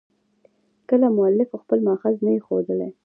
کله مؤلف خپل مأخذ نه يي ښولى.